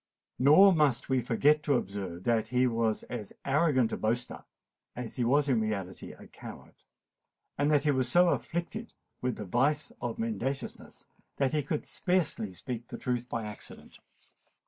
Nor must we forget to observe that he was as arrogant a boaster as he was in reality a coward; and that he was so afflicted with the vice of mendaciousness, he could scarcely speak the truth by accident.